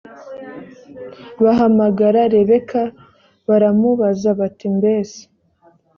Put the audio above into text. bahamagara rebeka baramubaza bati mbese